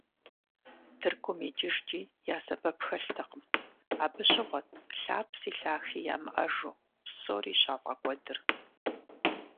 Тыркум икӀыжкӀи я сэбэп хэлътэкъым, абы щыгъуэт лъапси лъахи ямыӀэжу псори щафӀэкӀуэдыр.